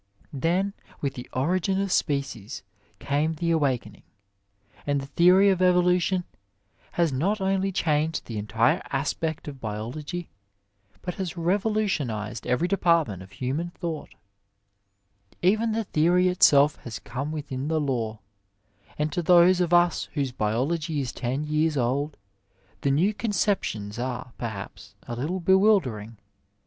Then with the Origin of Species came the awakening, and the theory of evolution has not only changed the entire aspect 94 Digitized by VjOOQiC THE LEAVEN OF SCIENCE of biology, but has levolutiomzed every department of human thought. Even the theory itself has come within the law ; and to those of us whose biology is ten years old, the new concep tions are, perhaps, a little bewildering.